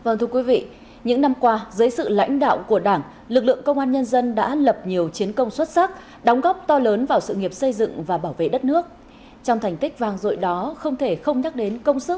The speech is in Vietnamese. những năm qua dưới sự lãnh đạo của đảng lực lượng công an nhân dân đã lập nhiều chiến công xuất sắc đóng góp to lớn vào sự nghiệp xây dựng và bảo vệ đất nước